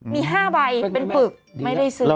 มี๕ใบเป็นปึกไม่ได้ซื้อ